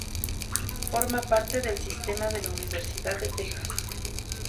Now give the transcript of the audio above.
Forma parte del sistema de la Universidad de Texas.